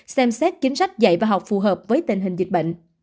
xem xét chính sách dạy và học phù hợp với tình hình dịch bệnh